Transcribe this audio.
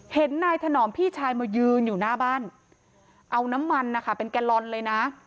เห็นนายถนอมพี่ชายมายืนอยู่หน้าบ้านเอาน้ำมันนะคะเป็นแกลลอนเลยนะ